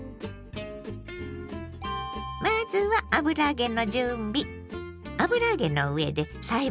まずは油揚げの準備。